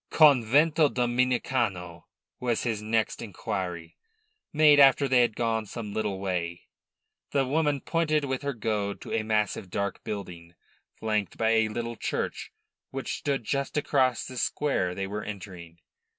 "Covento Dominicano?" was his next inquiry, made after they had gone some little way. The woman pointed with her goad to a massive, dark building, flanked by a little church, which stood just across the square they were entering.